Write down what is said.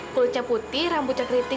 kulitnya putih rambutnya keriting